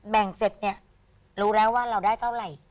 แบ่งเสร็จเนี่ยรู้แล้วว่าเราได้เท่าไหร่